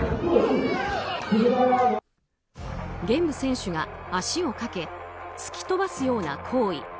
玄武選手が足をかけ突き飛ばすような行為。